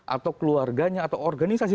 atau keluarganya atau organisasi